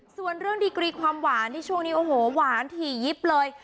ส่วนเรื่องดีกรีความหวานที่ช่วงนี้โอ้โหหวานถี่ยิบเลย